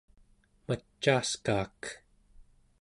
macaaskaak etc.